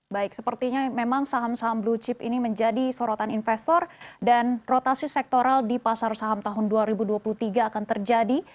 baik sepertinya memang saham saham blue chip ini menjadi sorotan investor dan rotasi sektoral di pasar saham tahun dua ribu dua puluh tiga akan terjadi